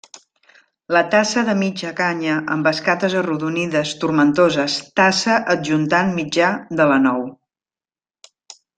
La tassa de mitja canya amb escates arrodonides, tomentoses, tassa adjuntant mitjà de la nou.